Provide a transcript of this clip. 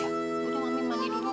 udah mami mandi dulu